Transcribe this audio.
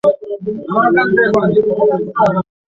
আশা করি আপনি আপত্তি করবেন না।